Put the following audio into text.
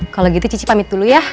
kalau gitu cuci pamit dulu ya